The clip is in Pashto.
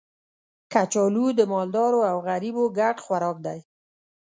کچالو د مالدارو او غریبو ګډ خوراک دی